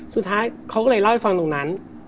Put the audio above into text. สุดท้ายเขาก็เลยเล่าให้ฟังตรงนั้น